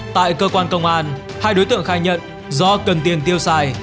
tại cơ quan công an hai đối tượng khai nhận do cần tiền tiêu xài